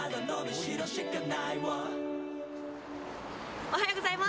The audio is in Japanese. おはようございます。